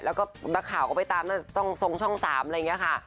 แล้วก็นักข่าวก็ไปตามช่องทรงช่อง๓อะไรอย่างนี้ค่ะ